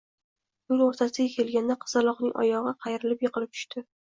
Yo'l o'rtasiga kelganda qizaloqning oyog'i qayrilib, yiqilib tushdi.